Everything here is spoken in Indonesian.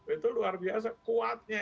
itu luar biasa kuatnya